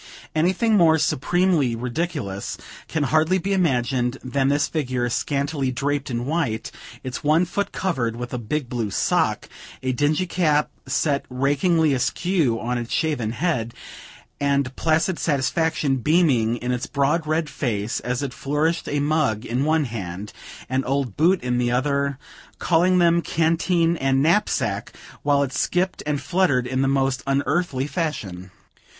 Anything more supremely ridiculous can hardly be imagined than this figure, scantily draped in white, its one foot covered with a big blue sock, a dingy cap set rakingly askew on its shaven head, and placid satisfaction beaming in its broad red face, as it flourished a mug in one hand, an old boot in the other, calling them canteen and knapsack, while it skipped and fluttered in the most unearthly fashion.